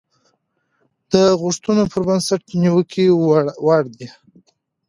د غوښتنو پر بنسټ د نيوکې وړ دي.